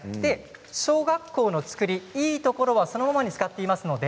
小学校の作りのいいところはそのまま使っています。